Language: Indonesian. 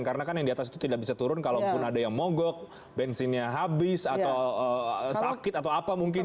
karena kan yang di atas itu tidak bisa turun kalaupun ada yang mogok bensinnya habis atau sakit atau apa mungkin